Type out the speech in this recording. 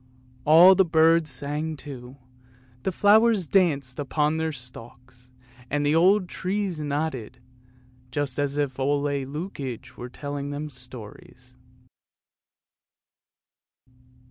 " All the birds sang too, the flowers danced upon their stalks, and the old trees nodded, just as if Ole Lukoie were telling them stories.